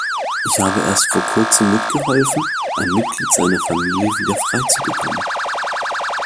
Ich habe erst vor kurzem mitgeholfen, ein Mitglied seiner Familie wieder freizubekommen.